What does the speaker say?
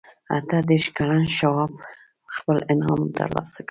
اته دېرش کلن شواب خپل انعام ترلاسه کړ.